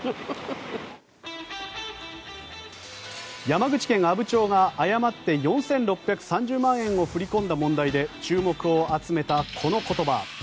山口県阿武町が誤って４６３０万円を振り込んだ問題で注目を集めたこの言葉。